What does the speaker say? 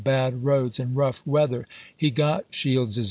bad roads, and rough weather — he got Shields's 1862.